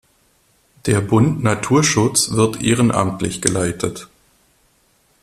Der Bund Naturschutz wird ehrenamtlich geleitet.